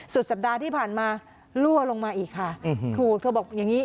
สัปดาห์ที่ผ่านมารั่วลงมาอีกค่ะขู่เธอบอกอย่างงี้